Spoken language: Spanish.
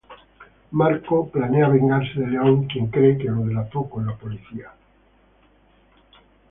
Marco planea vengarse de León, quien cree que lo delató con la policía.